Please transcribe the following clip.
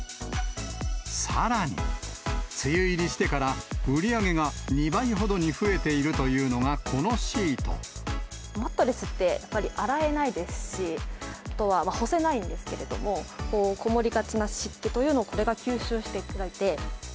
さらに、梅雨入りしてから売り上げが２倍ほどに増えているというのが、マットレスって、やっぱり洗えないですし、あとは干せないんですけれども、籠もりがちな湿気というのを、これが吸収してくれて。